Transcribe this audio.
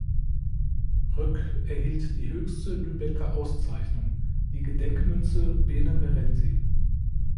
Roeck erhielt die höchste Lübecker Auszeichnung, die Gedenkmünze Bene Merenti.